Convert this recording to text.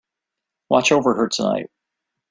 Watch over her tonight.